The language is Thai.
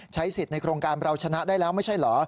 ใช้สิทธิ์ในโครงการเราชนะได้แล้วไม่ใช่เหรอ